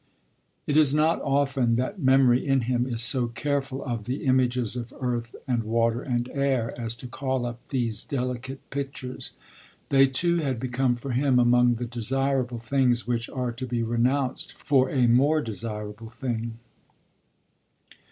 It is not often that memory, in him, is so careful of 'the images of earth, and water, and air,' as to call up these delicate pictures. They too had become for him among the desirable things which are to be renounced for a more desirable thing.